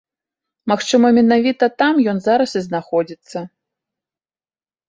Магчыма менавіта там ён зараз і знаходзіцца.